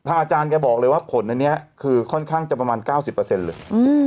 อาจารย์แกบอกเลยว่าผลอันนี้คือค่อนข้างจะประมาณ๙๐เลย